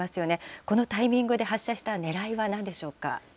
このタイミングで発射したねらいはなんでしょうか。